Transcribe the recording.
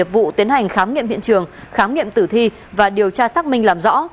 vụ tiến hành khám nghiệm hiện trường khám nghiệm tử thi và điều tra xác minh làm rõ